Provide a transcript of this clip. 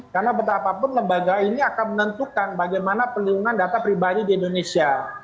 karena betapapun lembaga ini akan menentukan bagaimana perlindungan data pribadi di indonesia